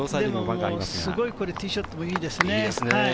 すごいティーショットもいいですね。